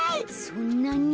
そんなに？